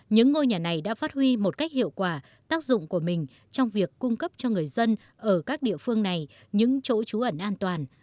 những ngôi nhà này đã phát huy một cách hiệu quả tác dụng của mình trong việc cung cấp cho người dân ở các địa phương này những chỗ trú ẩn an toàn